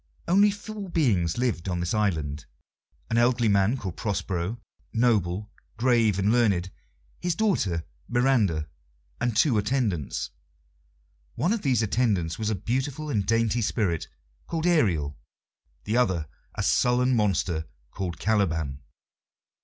Only four beings lived on this island: an elderly man called Prospero, noble, grave and learned; his daughter Miranda; and two attendants. One of these attendants was a beautiful and dainty spirit called Ariel, the other a sullen monster called Caliban.